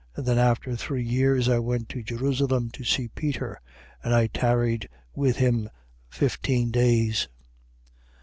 1:18. Then, after three years, I went to Jerusalem to see Peter: and I tarried with him fifteen days.